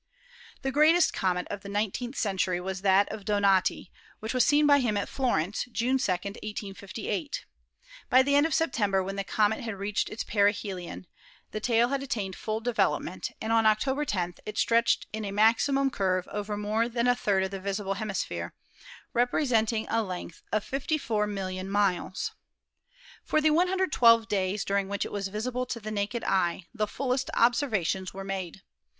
The greatest comet of the nineteenth century was that of Donati, which was seen by him at Florence, June 2, 1858. By the end of September, when the comet had reached its perihelion, the tail had attained full develop ment, and on October 10 it stretched in a maximum curve over more than a third of the visible hemisphere, repre senting a length of 54,000,000 miles. For the 112 days during which it was visible to the naked eye the fullest observations were made.